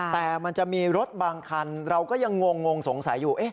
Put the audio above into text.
แต่มันจะมีรถบางคันเราก็ยังงงสงสัยอยู่